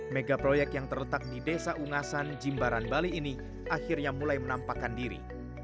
mega proyek yang terletak di desa ungasan jimbaran bali ini akhirnya mulai menampakkan diri